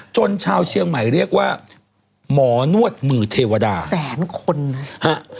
ชาวเชียงใหม่เรียกว่าหมอนวดมือเทวดาแสนคนนะฮะ